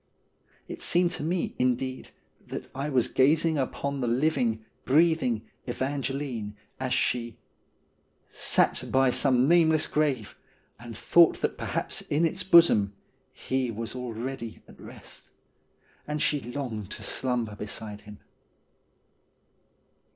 It seemed to me, indeed, that I was gazing upon the living, breathing Evangeline as she Sat by some nameless grave, and thought that perhaps in its bosom He was already at rest. And she longed to slumber beside him.